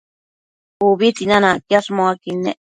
Ubi tsinanacquiash muaquid nec